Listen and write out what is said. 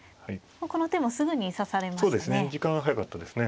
この手もすぐに指されましたね。